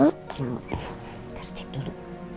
sekarang cek dulu